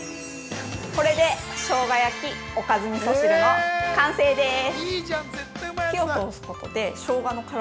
◆これで、しょうが焼きおかずみそ汁の完成です。